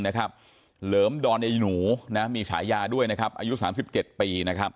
เหลิมดอนไอนูมีขายาด้วยอายุ๓๗ปี